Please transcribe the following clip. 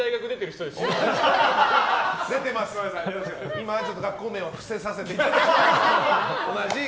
今は学校名は伏せさせていただきます。